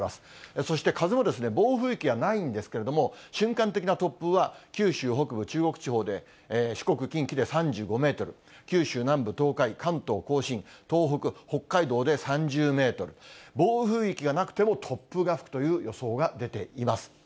そして、風も暴風域はないんですけれども、瞬間的な突風は、九州北部、中国地方で、四国、近畿で３５メートル、九州南部、東海、関東甲信、東北、北海道で３０メートル、暴風域がなくても突風が吹くという予想が出ています。